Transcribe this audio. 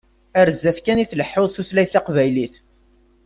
Ar zdat kan i tleḥḥu tutlayt taqbaylit.